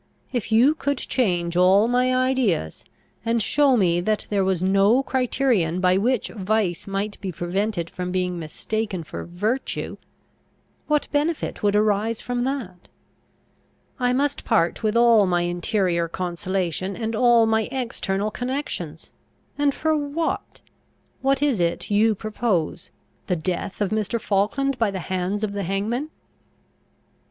If you could change all my ideas, and show me that there was no criterion by which vice might be prevented from being mistaken for virtue, what benefit would arise from that? I must part with all my interior consolation, and all my external connections. And for what? What is it you propose? The death of Mr. Falkland by the hands of the hangman."